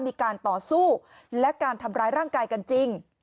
มีการต่อสู้และการทำร้ายร่างกายกันจริง